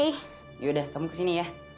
yaudah kamu kesini ya